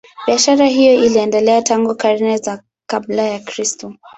Biashara hiyo iliendelea tangu karne za kabla ya Kristo.